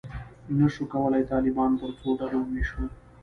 نه شو کولای طالبان پر څو ډلو وویشو.